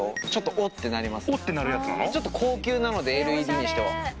ちょっと高級なのでＬＥＤにしては。